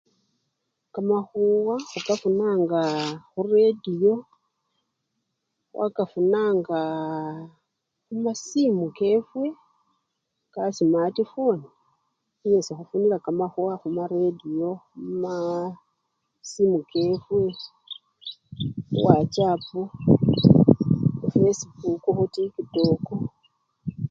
Kamakhuwa khukafunanga khuretiyo, khwakafunanga khumasimu kefwe kasimati phone niye esikhufunila kamakhuwa khuretiyo naa! khumasimu kefwe khuwachapu, khufwesipuku khutikitoko.